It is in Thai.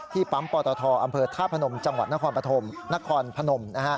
ที่ปั๊มปอตทอำเภอธาตุพนมจังหวัดนครพนม